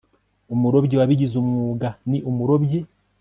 Umurobyi wabigize umwuga ni umurobyi